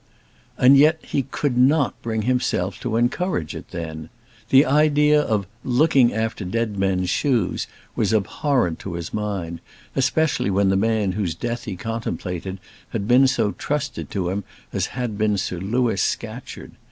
And yet he could not bring himself to encourage it then. The idea of "looking after dead men's shoes" was abhorrent to his mind, especially when the man whose death he contemplated had been so trusted to him as had been Sir Louis Scatcherd.